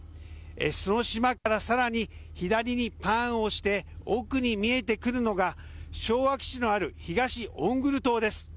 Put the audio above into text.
その島からさらに左にパーンをして奥に見えてくるのが昭和基地のある東オングル島です。